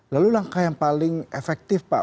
lalu langkah yang paling efektif pak